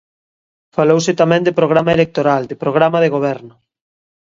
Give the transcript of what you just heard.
Falouse tamén de programa electoral, de programa de goberno.